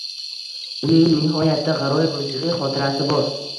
Uning nihoyatda g‘aroyib musiqiy xotirasi bor.